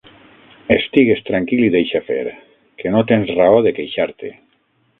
Estigues tranquil i deixa fer, que no tens raó de queixar-te.